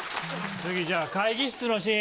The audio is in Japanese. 次じゃあ会議室のシーン。